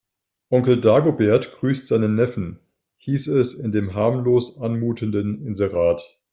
Onkel Dagobert grüßt seinen Neffen, hieß es in dem harmlos anmutenden Inserat.